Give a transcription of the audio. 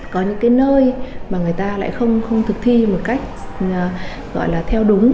có những cái nơi mà người ta lại không thực thi một cách gọi là theo đúng